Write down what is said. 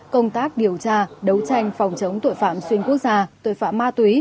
công tác điều tra đấu tranh phòng chống tội phạm xuyên quốc gia tội phạm ma túy